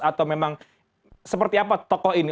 atau memang seperti apa tokoh ini